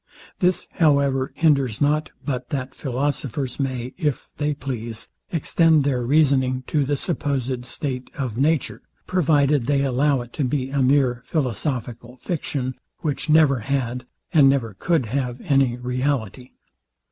This, however, hinders not, but that philosophers may, if they please, extend their reasoning to the supposed state of nature; provided they allow it to be a mere philosophical fiction, which never had, and never could have any reality.